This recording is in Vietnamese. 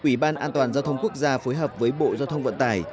ủy ban an toàn giao thông quốc gia phối hợp với bộ giao thông vận tải